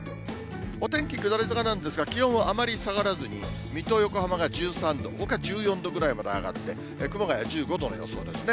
お天気下り坂なんですが、気温、あまり下がらずに水戸、横浜が１３度、ほか１４度ぐらいまで上がって、熊谷１５度の予想ですね。